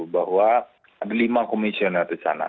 bahwa ada lima komisioner di sana